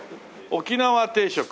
沖縄定食。